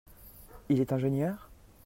Il est ingénieur?